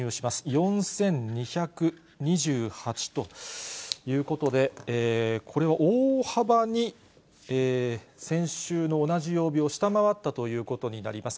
４２２８ということで、これは大幅に、先週の同じ曜日を下回ったということになります。